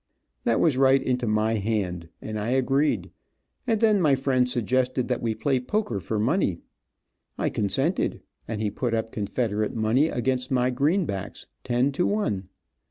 That was right into my hand, and I agreed, and then my friend suggested that we play poker for money. I consented and he put up Confederate money, against my greenbacks, ten to one.